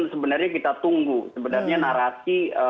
sebenarnya kita tunggu sebenarnya narasi